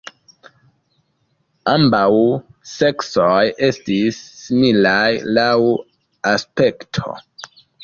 Ambaŭ seksoj estis similaj laŭ aspekto.